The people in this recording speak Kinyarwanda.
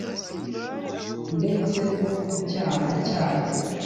ndetse no ku cyana cyayo